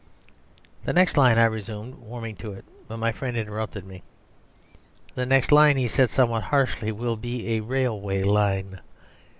"The next line," I resumed, warming to it; but my friend interrupted me. "The next line," he said somewhat harshly, "will be a railway line.